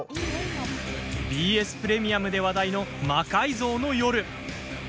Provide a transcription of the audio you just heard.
ＢＳプレミアムで話題の「魔改造の夜」。